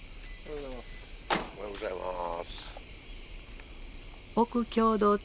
おはようございます。